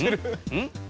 うん？